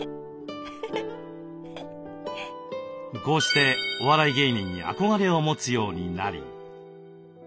こうしてお笑い芸人に憧れを持つようになり。